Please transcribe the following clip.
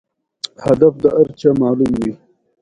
موږ باید پښتو ډیجیټل کړو